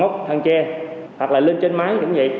thang dây thang ngốc thang tre hoặc là lên trên mái cũng vậy